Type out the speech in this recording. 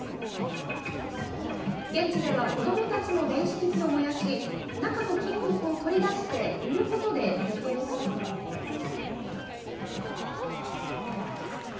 現地では子どもたちも電子機器を燃やし中の金属を取り出して売ることで生計を立てているんです。